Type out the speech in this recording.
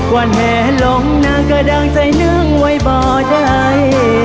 วันแห่ลงนางก็ดังใส่เนื่องไว้บ่ได้